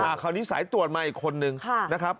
คราวนี้สายตรวจมาอีกคนนึงนะครับ